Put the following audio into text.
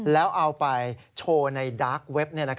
แล้วเอาไปโชว์ในดาร์กเว็บ